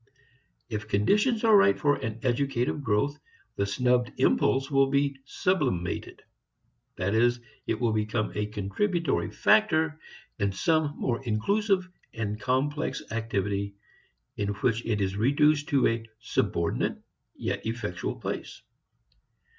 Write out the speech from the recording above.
If conditions are right for an educative growth, the snubbed impulse will be "sublimated." That is, it will become a contributory factor in some more inclusive and complex activity, in which it is reduced to a subordinate yet effectual place.